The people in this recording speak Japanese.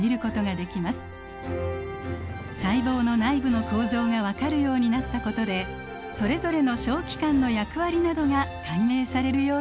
細胞の内部の構造が分かるようになったことでそれぞれの小器官の役割などが解明されるようになりました。